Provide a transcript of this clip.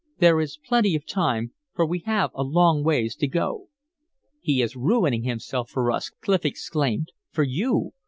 "There is plenty of time, for we have a long ways to go." "He is ruining himself for us!" Clif exclaimed. "For you!